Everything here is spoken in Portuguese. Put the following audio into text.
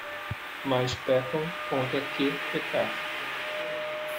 Mais pecam contra que pecar